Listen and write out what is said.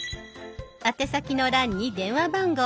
宛先の欄に電話番号。